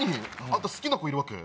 あんた好きな子いるわけ？